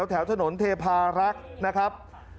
แถวถนนเทพารักษ์นะครับ